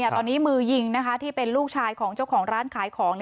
ตอนนี้มือยิงที่เป็นลูกชายของเจ้าของร้านขายของ